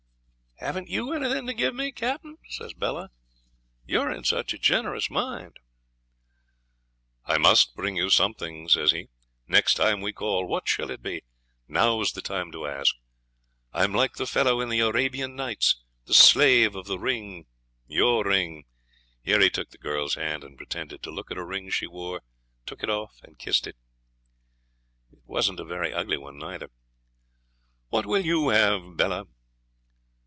'Haven't you anything to give me, Captain?' says Bella; 'you're in such a generous mind.' 'I must bring you something,' says he, 'next time we call. What shall it be? Now's the time to ask. I'm like the fellow in the "Arabian Nights", the slave of the ring your ring.' Here he took the girl's hand, and pretending to look at a ring she wore took it up and kissed it. It wasn't a very ugly one neither. 'What will you have, Bella?'